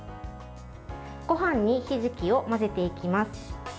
ごはんにひじきを混ぜていきます。